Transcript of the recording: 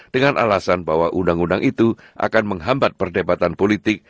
dengan alasan bahwa undang undang itu akan menghambat perdebatan politik